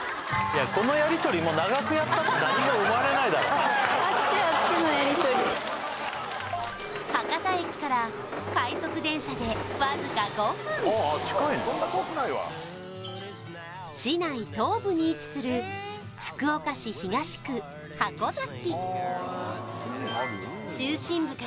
はいあの博多駅から快速電車でわずか５分市内東部に位置する福岡市東区箱崎